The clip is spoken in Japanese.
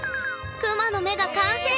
クマの目が完成！